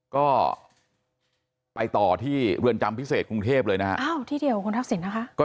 ก็ไปต่อที่เรือนจำพิเศษกรุงเทพเลยนะฮะอ้าวที่เดียวคุณทักษิณนะคะ